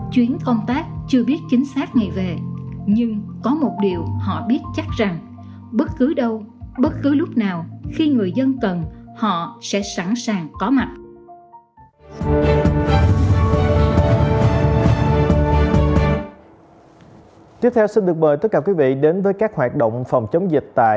chuyến công tác chưa biết chính xác ngày về nhưng có một điều họ biết chắc rằng bất cứ đâu bất cứ lúc nào khi người dân cần họ sẽ sẵn sàng có mặt